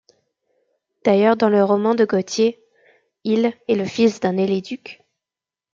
D'ailleurs, dans le roman de Gautier, Ille est le fils d'un Éliduc.